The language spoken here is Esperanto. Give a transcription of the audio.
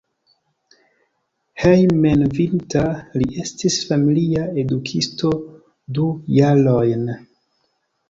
Hejmenveninta li estis familia edukisto du jarojn.